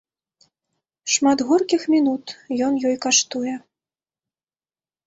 Шмат горкіх мінут ён ёй каштуе.